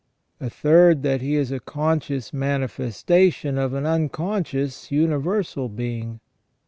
A third, that he is a conscious manifestation of an unconscious universal being.